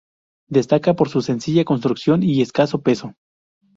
Destaca por su sencilla construcción y escaso peso.